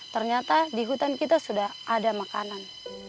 ternyata di hutan kita sudah ada makanan